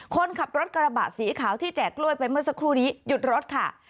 คนขับรถกระบะสีขาวที่แจกกล้วยไปเมื่อสักครู่นี้หยุดรถค่ะ